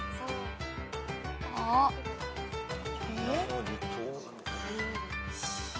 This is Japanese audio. あっえっ？